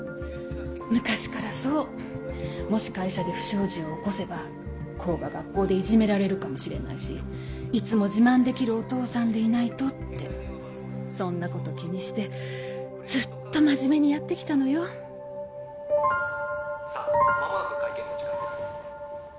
昔からそうもし会社で不祥事を起こせば功が学校でいじめられるかもしれないしいつも自慢できるお父さんでいないとってそんなこと気にしてずっと真面目にやってきたのよさあまもなく会見の時間です